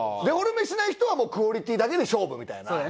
デフォルメしない人はクオリティーだけで勝負みたいな。